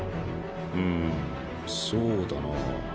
うんそうだなあ